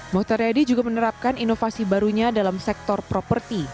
motoredy juga menerapkan inovasi barunya dalam sektor properti